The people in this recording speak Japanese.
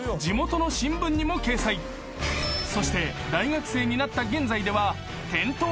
［そして大学生になった現在では］